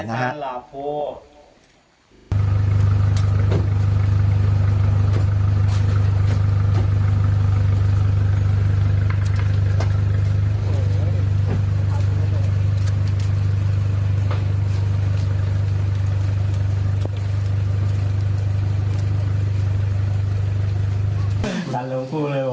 ไก่ชมพู่และพุทธทุกคนของครอบครัว